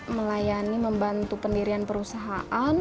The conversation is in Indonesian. melayani membantu pendirian perusahaan